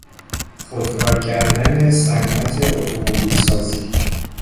خودکار کردن صنعت اتومبیل سازی